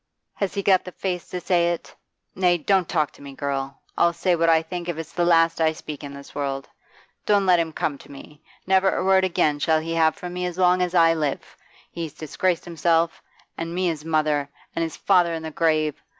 has he got the face to say it? Nay, don't talk to me, girl; I'll say what I think if it's the last I speak in this world. Don't let him come to me! Never a word again shall he have from me as long as I live. He's disgraced himself, an' me his mother, an' his father in the grave.